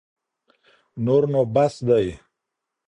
نور نو بس دی.